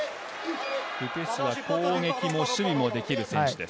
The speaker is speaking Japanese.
ル・ペシュは攻撃も守備もできる選手です。